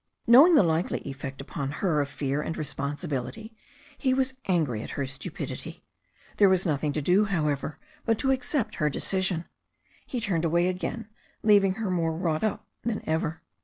Knowing the likely effect upon her of fear and responsibility, he was angry at her stupidity. There was nothing to do, however, but to accept her de cision. He turned away again, leaving her more wrought' up than ever.